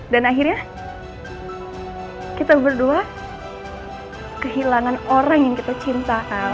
dan akhirnya kita berdua kehilangan orang yang kita cinta al